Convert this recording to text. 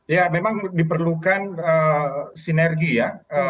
ya memang diperlukan sinergi ya